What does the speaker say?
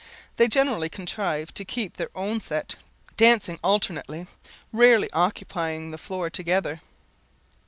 They generally contrive to keep to their own set dancing alternately rarely occupying the floor together.